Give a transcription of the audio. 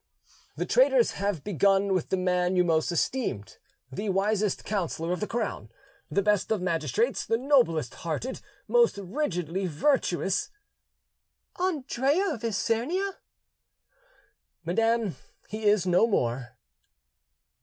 "The traitors have begun with the man you most esteemed, the wisest counsellor of the crown, the best of magistrates, the noblest hearted, most rigidly virtuous——" "Andrea of Isernia!" "Madam, he is no more."